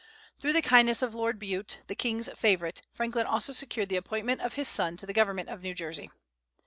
Through the kindness of Lord Bute, the king's favorite, Franklin also secured the appointment of his son to the government of New Jersey.